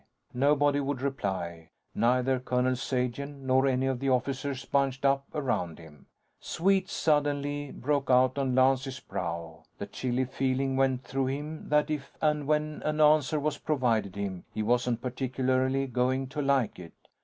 Nobody would reply neither Colonel Sagen, nor any of the officers bunched up around him. Sweat suddenly broke out on Lance's brow. The chilly feeling went through him that if and when an answer was provided him, he wasn't particularly going to like it.